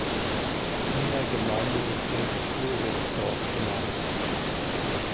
Wiener Gemeindebezirk Floridsdorf benannt.